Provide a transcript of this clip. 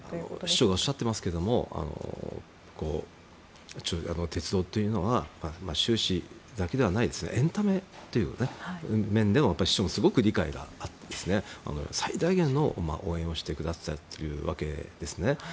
市長もおっしゃってますけども鉄道というのは収支だけではないエンタメという面でも市長がすごく理解があって最大限の応援をしてくださってるわけですね。